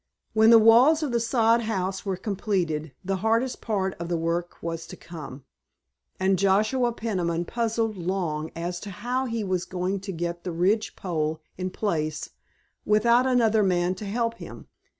When the walls of the sod house were completed the hardest part of the work was to come, and Joshua Peniman puzzled long as to how he was going to get the ridgepole in place without another man to help him.